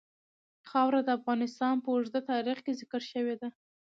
خاوره د افغانستان په اوږده تاریخ کې ذکر شوې ده.